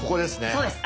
そうです。